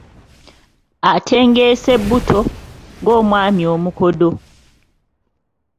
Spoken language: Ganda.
Atengeesa ebbuto, ng’omwami omukodo.